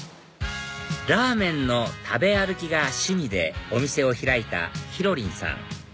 ラーメンの食べ歩きが趣味でお店を開いたひろりんさん